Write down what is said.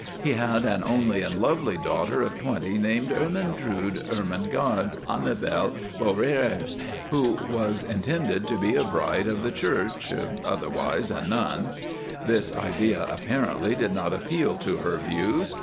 He had an only and lovely daughter of twenty, named Ermentrude Ermengarde Annibal Beaurepaire, who was intended to be a bride of the Church, otherwise a nun. This idea, apparently, did not appeal to her views.